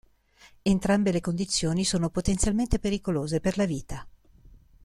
Entrambe le condizioni sono potenzialmente pericolose per la vita.